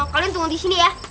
kalian tunggu di sini ya